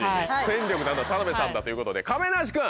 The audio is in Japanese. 戦力なのは田辺さんだということで亀梨君。